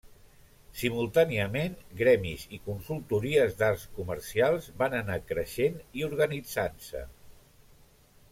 Simultàniament, gremis i consultories d'arts comercials van anar creixent i organitzant-se.